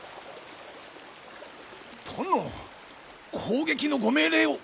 攻撃のご命令を。